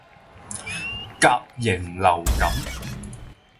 甲型流感